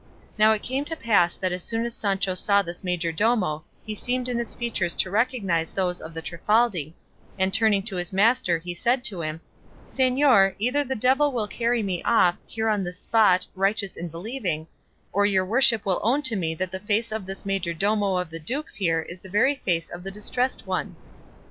Now it came to pass that as soon as Sancho saw this majordomo he seemed in his features to recognise those of the Trifaldi, and turning to his master, he said to him, "Señor, either the devil will carry me off, here on this spot, righteous and believing, or your worship will own to me that the face of this majordomo of the duke's here is the very face of the Distressed One."